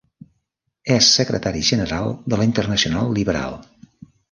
És secretari general de la Internacional Liberal.